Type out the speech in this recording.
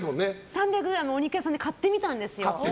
３００ｇお肉屋さんで買ってみたんですよ。